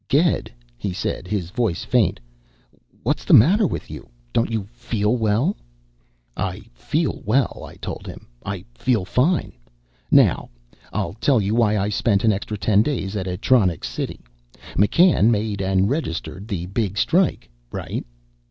"Ged," he said, his voice faint, "what's the matter with you? Don't you feel well?" "I feel well," I told him. "I feel fine. Now, I'll tell you why I spent an extra ten days at Atronics City. McCann made and registered the big strike, right?"